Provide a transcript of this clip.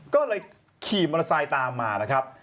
ก็เลยขี่มอเตอร์ไซค์ตามมานะครับ